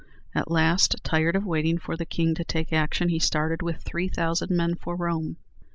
At last, tired of waiting for the king to take action, he started with three thousand men for Rome.